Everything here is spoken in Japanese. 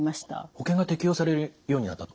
保険が適用されるようになったと。